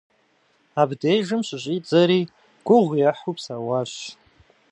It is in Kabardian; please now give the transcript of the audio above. Абдежым щыщӀидзэри гугъу ехьу псэуащ.